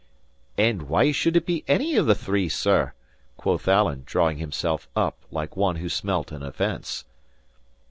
"And why should it be any of the three, sir?" quoth Alan, drawing himself up, like one who smelt an offence.